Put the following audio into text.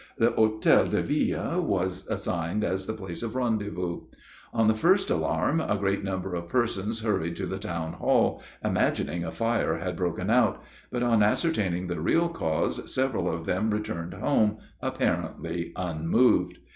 The Hotel de Ville was assigned as the place of rendezvous. On the first alarm, a great number of persons hurried to the town hall, imagining a fire had broken out, but, on ascertaining the real cause, several of them returned home, apparently unmoved.